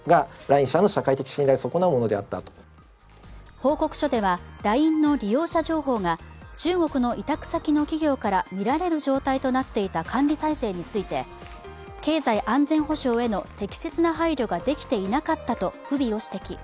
報告書では、ＬＩＮＥの利用者情報が中国の委託先の企業から見られる状態となっていた管理体制について経済安全保障への適切な配慮ができていなかったと不備を指摘。